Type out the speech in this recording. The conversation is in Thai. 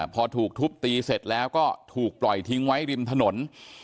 พอถูกทุบตีเสร็จแล้วก็ถูกปล่อยทิ้งไว้ริมถนน